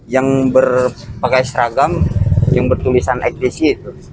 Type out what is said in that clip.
yang beragam yang bertulisan ekskresi